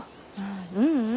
あううん。